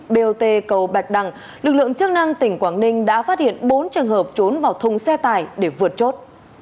bot cầu bạch đằng lực lượng chức năng tỉnh quảng ninh đã phát hiện bốn trường hợp trốn vào thùng xe tải để vượt chốt